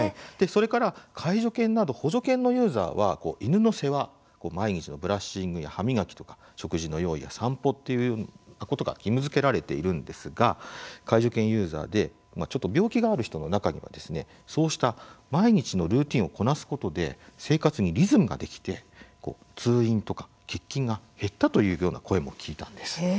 それから介助犬など補助犬のユーザーは犬の世話毎日のブラッシングや歯磨きとか食事の用意や散歩というようなことが義務づけられているんですが介助犬ユーザーでちょっと病気がある人の中にはそうした毎日のルーティンをこなすことで生活にリズムができて通院とか欠勤が減ったというような声も聞いたんです。